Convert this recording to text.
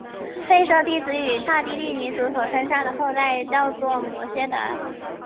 吠舍男子与刹帝利女子所生下的后代叫做摩偈闼。